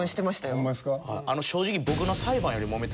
正直。